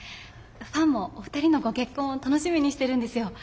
ファンもお二人のご結婚を楽しみにしてるんですよ。